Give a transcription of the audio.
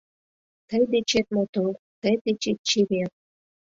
Тый дечет мотор, тый дечет чевер